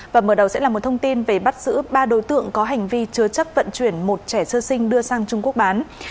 và mở đầu sẽ là một thông tin về bắt giữ ba đối tượng có hành vi chứa chấp vận chuyển một trẻ sơ sinh đưa sang trung quốc bán